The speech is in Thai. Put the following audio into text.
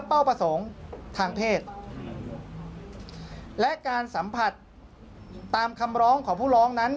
เป้าประสงค์ทางเพศและการสัมผัสตามคำร้องของผู้ร้องนั้น